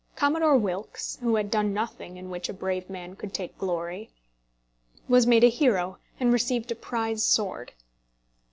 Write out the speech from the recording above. Commodore Wilkes, who had done nothing in which a brave man could take glory, was made a hero and received a prize sword.